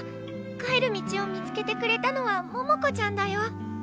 帰る道を見つけてくれたのは桃子ちゃんだよ。